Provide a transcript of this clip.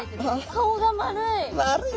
顔が丸い。